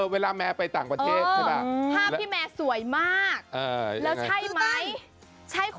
เวลาแม่ไปต่างประเทศภาพที่แม่สวยมาก